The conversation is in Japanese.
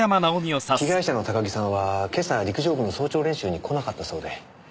被害者の高木さんは今朝陸上部の早朝練習に来なかったそうで。